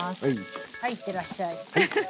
はい行ってらっしゃい！